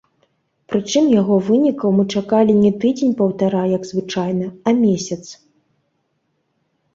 Прычым яго вынікаў мы чакалі не тыдзень-паўтара, як звычайна, а месяц.